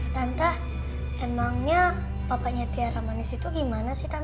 tante emangnya papanya tiara manis itu gimana sih tana